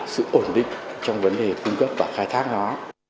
sự ổn định trong vấn đề cung cấp và khai thác nó